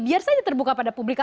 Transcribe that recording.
biar saja terbuka pada publik